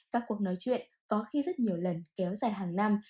các cuộc nói chuyện có khi rất nhiều lần kéo dài hàng năm